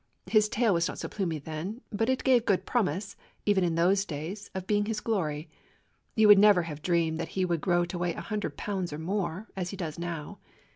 His tail was not so plumy then, but it gave good promise, even in those days, of being his glory. You would never have dreamed that he would grow to weigh a hun dred pounds or more, as he does now.